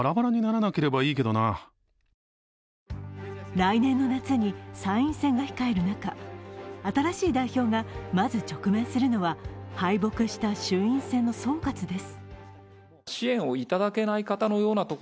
来年の夏に参院選が控える中、新しい代表がまず直面するのは敗北した衆院選の総括です。